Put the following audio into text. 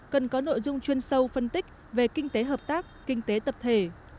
cần có nội dung chuyên sâu phân tích về kinh tế hợp tác kinh tế tập thể